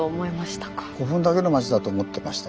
古墳だけの町だと思ってました。